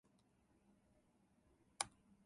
それとも、大事なものかな？